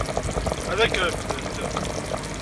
Ad k-refdent.